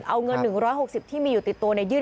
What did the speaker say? เอาเงิน๑๖๐ที่มีอยู่ติดตัวยื่น